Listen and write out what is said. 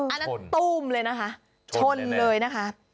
อันนั้นตู้มเลยนะคะชนเลยนะคะ